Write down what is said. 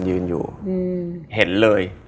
ยืนอยู่เห็นเลย